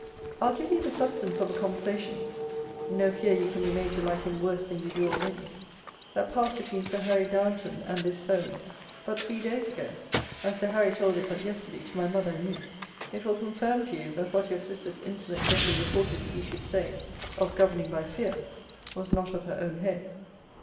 I'll give you the substance of a conversation [no fear you can be made to like him worse than you do already] that passed between Sir Harry Downeton and this Solmes, but three days ago, as Sir Harry told it but yesterday to my mother and me. It will confirm to you that what your sister's insolent Betty reported he should say, of governing by fear, was not of her own head.